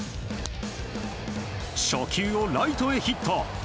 初球をライトへヒット。